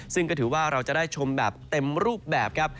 ซึ่งก็ถือว่าเราจะได้ชมแบบเต็มรูปแบบครับ